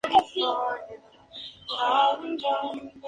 En su diseño destacaban unas llamativas puertas de ala de gaviota.